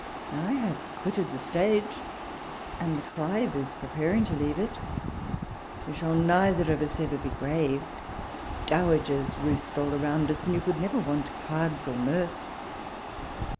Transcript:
I have quitted the stage, and the Clive is pre paring to leave it. We shall neither of us ever be grave : dowagers roost all around us, and you could never want cards or mirth.